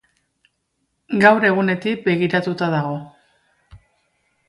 Gaur egunetik begiratuta dago.